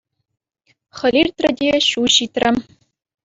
Хӗл иртрӗ те — ҫу ҫитрӗ.